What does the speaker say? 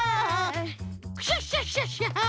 クシャシャシャシャ！